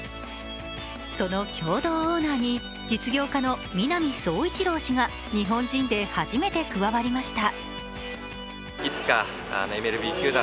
その共同オーナーに実業家の南壮一郎氏が日本人で初めて加わりました。